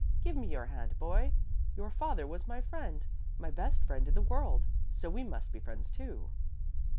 Give me your hand, boy. Your father was my friend, my best friend in the world; so we must be friends, too."